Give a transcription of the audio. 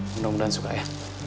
mudah mudahan suka ya